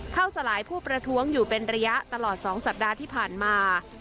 สลายผู้ประท้วงอยู่เป็นระยะตลอด๒สัปดาห์ที่ผ่านมา